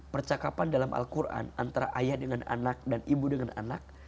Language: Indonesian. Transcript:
percakapan dalam al quran antara ayah dengan anak dan ibu dengan anak